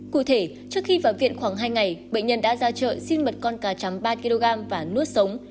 cụ thể trước khi vào viện khoảng hai ngày bệnh nhân đã ra chợ xin mật con cá chấm ba kg và nuốt sống